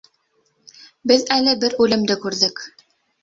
— Беҙ әле бер үлемде күрҙек.